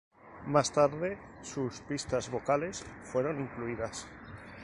Más tarde, sus pistas vocales fueron incluidas.